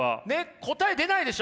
答え出ないでしょ？